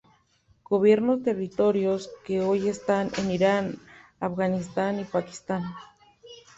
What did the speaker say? Gobernó territorios que hoy están en Irán, Afganistán y Pakistán.